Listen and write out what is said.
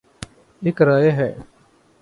ایک رائے ہے۔